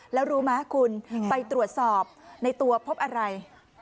แล้วรู้ไหมคุณไปตรวจสอบในตัวพบอะไร